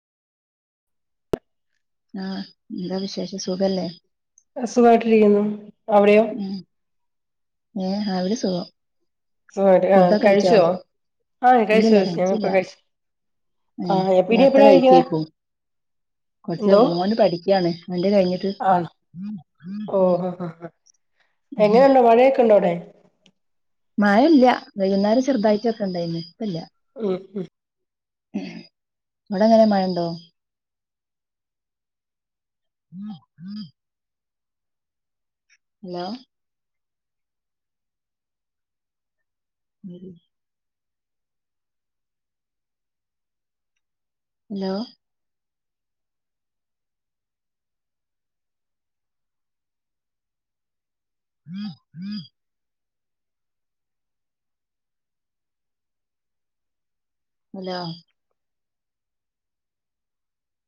ആഹ് എന്താ വിശേഷം സുഖല്ലേ? അഹ് സുഖായിട്ടിരിക്കുന്നു. അവിടെയോ? ഉം ഏ അവിടിം സുഖം. ട് ആഹ് കഴിച്ചോ ആ കഴിച്ചു ഇല്ലില്ല കഴിച്ചു. കഴിച്ചില്ല ഞങ്ങപ്പം കഴിച്ചു. ആഹ് എപി ഇനി എപ്പയാ കഴിക്ക? കൊച്ച് മോന് പഠിക്കാണ് ഓന്റെ കഴിഞ്ഞിട്ട്. ആണോ ഓ ഉം ഹാ ഹ ഹ ഉം എങ്ങനെണ്ട്. മഴയേക്കെണ്ടോ അവ്ടെ? മഴ ഇല്ല. വൈകുന്നേരം ചെറുതായിട്ടൊക്കെണ്ടായിന് ഇപ്പല്ല. ഉം ഉം ഇവിടെ എങ്ങനെ മഴണ്ടോ? [inaudible] Hello very hello [inaudible] hello